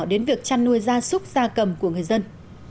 đến việc chăn nuôi da súc da cầm của người dân